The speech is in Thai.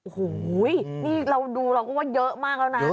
หูยนี่นี่เราดูก็ว่าเยอะมากแล้วนะ